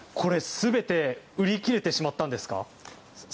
全て売り切れてしまったんですか？